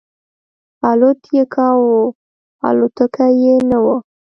الوت یې کاو الوتکه یې نه وه.